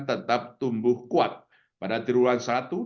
tetap tumbuh kuat pada di bulan satu dua ribu dua puluh empat